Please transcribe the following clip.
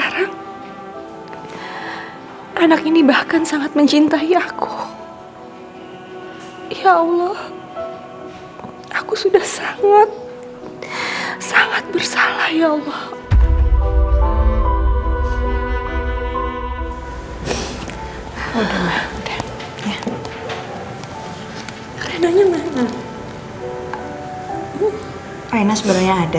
rena sebenarnya ada